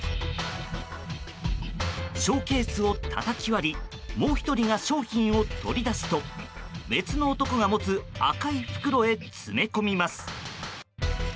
ショーケースをたたき割りもう１人が商品を取り出すと別の男が持つ赤い袋へ詰め込みます。